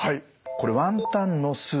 これワンタンのスープ。